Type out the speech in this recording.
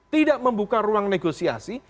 tidak membuka ruang negosiasi